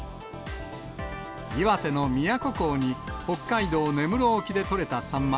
岩手の宮古港に、北海道根室沖で取れたサンマ